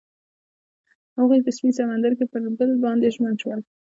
هغوی په سپین سمندر کې پر بل باندې ژمن شول.